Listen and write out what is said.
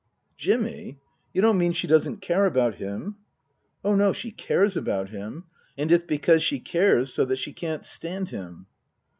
" Jimmy ? You don't mean she doesn't care about him ?"" Oh, no, she cares about him, and it's because she cares so that she can't stand him."